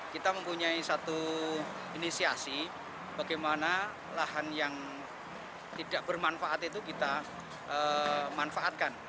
kita mempunyai satu inisiasi bagaimana lahan yang tidak bermanfaat itu kita manfaatkan